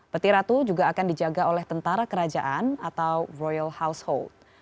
peti ratu juga akan dijaga oleh tentara kerajaan atau royal household